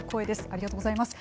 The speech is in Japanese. ありがとうございます。